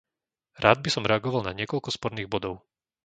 Rád by som reagoval na niekoľko sporných bodov.